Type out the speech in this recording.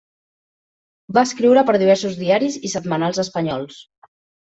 Va escriure per diversos diaris i setmanals espanyols.